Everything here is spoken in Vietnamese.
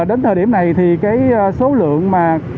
đến thời điểm này thì cái số lượng mà